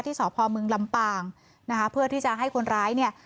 สพมลำปางนะคะเพื่อที่จะให้คนร้ายเนี่ย